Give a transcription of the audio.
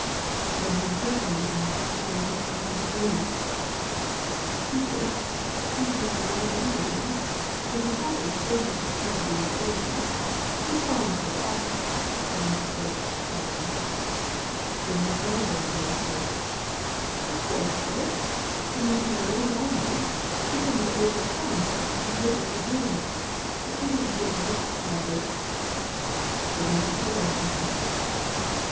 ''Then he impersonated Martin to save himself from the police ?" "He did; he's no more mad than I am; but he thought it was safer to pretend being crazy. His songs was awful," said Mrs. Grix, shuddering. "Did Miss Wcdderburn know the truth?" "Of course, sir! And when she knowed as I knowed, she tole me to 'old my tongue, and paid me for doing it ; but she didn't give much, lovey I " "Did Mr. Ferris know?